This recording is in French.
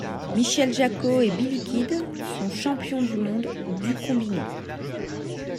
Michèle Jacot et Billy Kidd sont champions du monde du combiné.